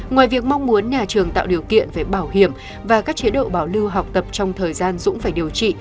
ngoài việc mong muốn nhà trường tạo điều kiện về bảo hiểm và các chế độ bảo lưu học tập trong thời gian dũng phải điều trị